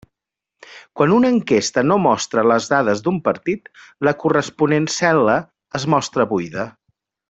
Quan una enquesta no mostra les dades d'un partit, la corresponent cel·la es mostra buida.